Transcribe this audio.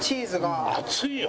熱いよ！